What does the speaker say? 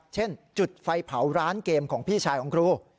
เช่นจุดไฟเผาร้านเกมของพี่ชายของครู